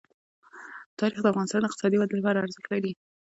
تاریخ د افغانستان د اقتصادي ودې لپاره ارزښت لري.